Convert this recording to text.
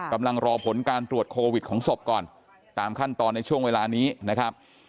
กำลังรอผลการตรวจโควิดของศพก่อนตามขั้นตอนในช่วงเวลานี้นะครับ